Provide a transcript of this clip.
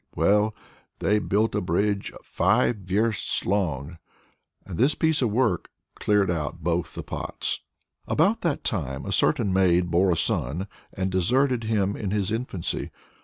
Well, they built a bridge five versts long, and this piece of work cleared out both the pots. About that time a certain maid bore a son and deserted him in his infancy.